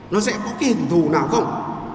nó sẽ có cái hình thù nào không